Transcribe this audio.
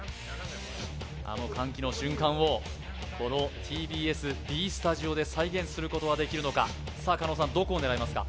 あの歓喜の瞬間をこのＴＢＳＢスタジオで再現することはできるのか加納さんどこを狙いますか？